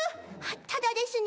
ただですね